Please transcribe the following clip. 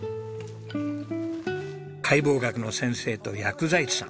解剖学の先生と薬剤師さん。